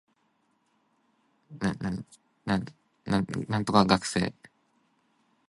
說到這忽然想起我的學生